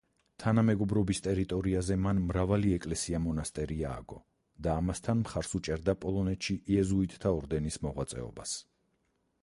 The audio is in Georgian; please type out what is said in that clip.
თანამეგობრობის ტერიტორიაზე მან მრავალი ეკლესია-მონასტერი ააგო და ამასთან მხარს უჭერდა პოლონეთში იეზუიტთა ორდენის მოღვაწეობას.